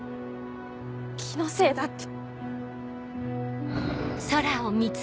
気のせいだって。